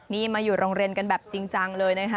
นี่มาอยู่โรงเรียนกันแบบจริงจังเลยนะคะ